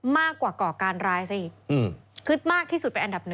มากกว่าก่อการร้ายสิคือมากที่สุดเป็นอันดับหนึ่ง